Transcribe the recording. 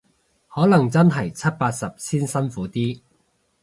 可能真係七八十先辛苦啲